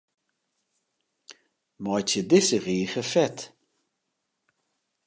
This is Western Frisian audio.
Meitsje dizze rige fet.